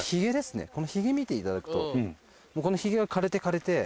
ヒゲ見ていただくとこのヒゲが枯れて枯れて。